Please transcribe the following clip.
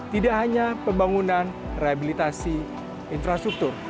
tidak hanya pembangunan rehabilitasi infrastruktur